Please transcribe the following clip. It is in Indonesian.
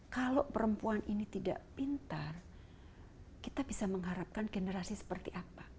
kalau perempuan ini tidak pintar kita bisa mengharapkan generasi seperti apa